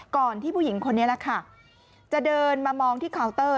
ก่อนที่ผู้หญิงคนนี้จะเดินมามองที่เคาน์เตอร์